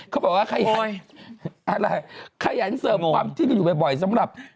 เขาบอกว่าขยันเสิร์ฟความที่อยู่บ่อยสำหรับ